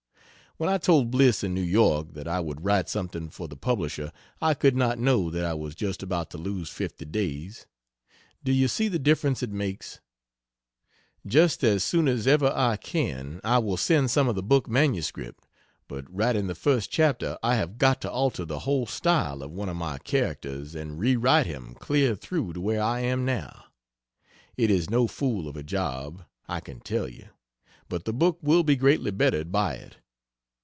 When I told Bliss in N. Y. that I would write something for the Publisher I could not know that I was just about to lose fifty days. Do you see the difference it makes? Just as soon as ever I can, I will send some of the book M.S. but right in the first chapter I have got to alter the whole style of one of my characters and re write him clear through to where I am now. It is no fool of a job, I can tell you, but the book will be greatly bettered by it.